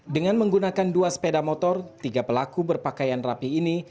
dengan menggunakan dua sepeda motor tiga pelaku berpakaian rapi ini